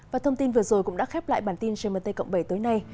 và thông tin vừa rồi cũng đã khép lại bản tin gmt cộng bảy tối nay